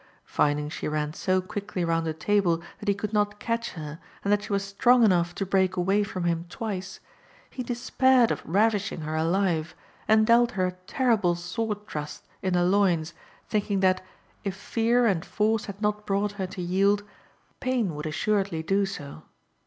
Finding she ran so quickly round a table that he could not catch her, and that she was strong enough to break away from him twice, he despaired of ravishing her alive, and dealt her a terrible sword thrust in the loins, thinking that, if fear and force had not brought her to yield, pain would assuredly do so.